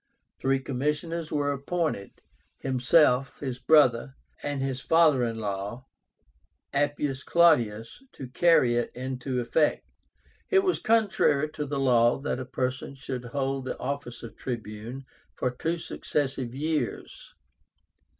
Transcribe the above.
Three commissioners were appointed, himself, his brother, and his father in law, APPIUS CLAUDIUS, to carry it into effect. It was contrary to the law that a person should hold the office of Tribune for two successive years.